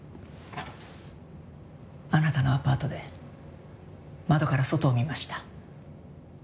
あなたのアパートで窓から外を見ました。